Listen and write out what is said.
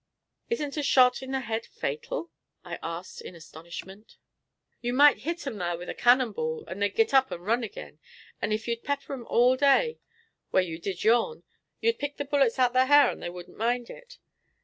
"Isn't a shot in the head fatal?" I asked in astonishment. "You might hit 'em thar with a cannon ball, and they'd git up and run agin, and ef you'd pepper 'em all day whar you did yourn, you'd pick the bullets out thar ha'r and they wouldn't mind it."